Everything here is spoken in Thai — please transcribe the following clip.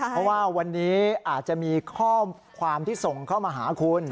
เพราะว่าวันนี้อาจจะมีข้อความที่ส่งเข้ามาหาคุณ